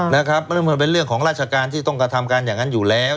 เพราะฉะนั้นมันเป็นเรื่องของราชการที่ต้องกระทำการอย่างนั้นอยู่แล้ว